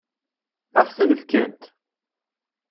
Ad ɣ-ten-fkent?